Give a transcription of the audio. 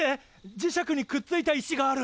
磁石にくっついた石がある！